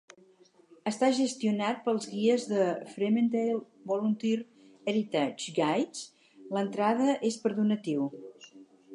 Està gestionat pels guies de Fremantle Volunteer Heritage Guides; l'entrada és per donatiu.